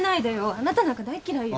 あなたなんか大っ嫌いよ。